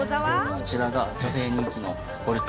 こちらが女性に人気のゴルチ